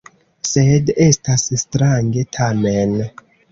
Sed estas strange, tamen.